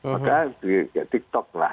maka di tiktok lah